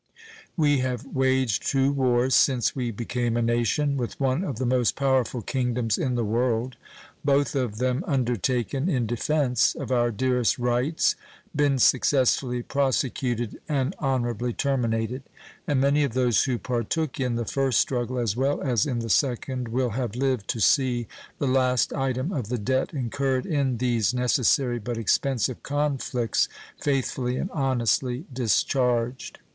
We have waged two wars since we became a nation, with one of the most powerful kingdoms in the world, both of them undertaken in defense of our dearest rights, been successfully prosecuted and honorably terminated; and many of those who partook in the first struggle as well as in the second will have lived to see the last item of the debt incurred in these necessary but expensive conflicts faithfully and honestly discharged.